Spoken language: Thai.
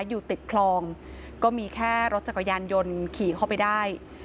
อยู่ติดคลองก็มีแค่รถจักรยานยนต์ขี่เข้าไปได้